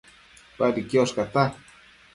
Padi quiosh cata